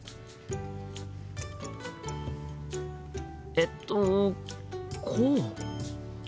えっとこう？